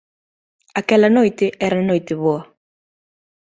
Aquela noite era a Noite Boa